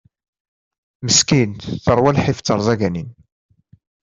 Meskint terwa lḥif d terẓaganin.